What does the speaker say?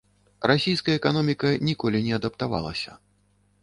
Расійская эканоміка ніколі не адаптавалася.